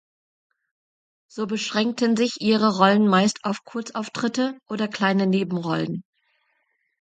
So beschränkten sich ihre Rollen meist auf Kurzauftritte oder kleine Nebenrollen.